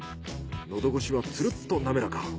喉越しはつるっとなめらか。